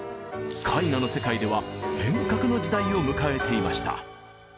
絵画の世界では変革の時代を迎えていました。